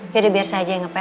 ya udah biar saja yang ngepen